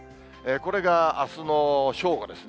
これがあすの正午ですね。